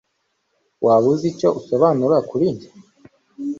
Waba uzi icyo usobanura kuri njye